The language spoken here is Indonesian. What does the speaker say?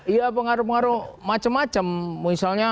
iya pengaruh pengaruh macam macam